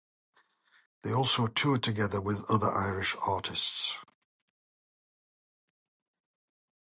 They also toured together with other Irish artists.